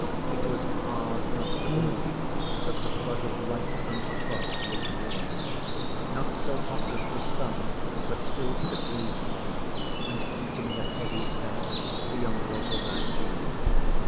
It was hard not to believe that the flood of light from above was warm. Not so hot as the Sun, but still sickly warm, and heating the heavy air beyond what was our due.